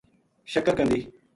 شکر قندی